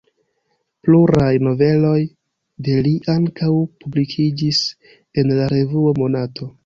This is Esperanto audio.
Pluraj noveloj de li ankaŭ publikiĝis en la revuo Monato.